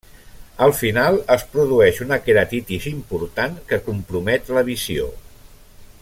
Al final, es produeix una queratitis important que compromet la visió.